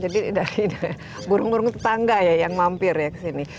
jadi dari burung burung tetangga ya yang mampir ya ke sini